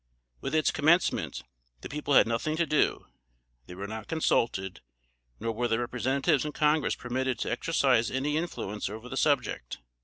With its commencement, the people had nothing to do; they were not consulted, nor were their Representatives in Congress permitted to exercise any influence over the subject.